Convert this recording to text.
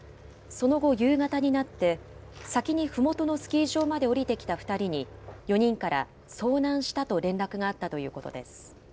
その後、夕方になって先にふもとのスキー場まで下りてきた２人に、４人から遭難したと連絡があったということです。